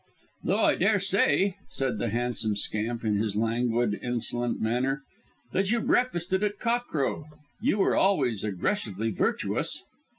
"Though, I daresay," said the handsome scamp in his languid, insolent manner, "that you breakfasted at cock crow. You were always aggressively virtuous."